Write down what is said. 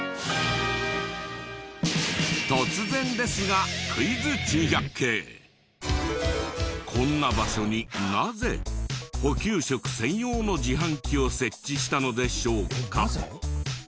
突然ですがこんな場所になぜ補給食専用の自販機を設置したのでしょうか？